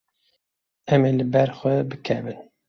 Em ê li ber xwe bikevin.